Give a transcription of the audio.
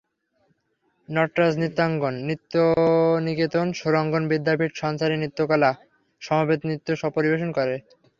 নটরাজ নৃত্যাঙ্গন, নৃত্যনিকেতন, সুরাঙ্গন বিদ্যাপীঠ, সঞ্চারি নৃত্যকলা সমবেত নৃত্য পরিবেশন করে।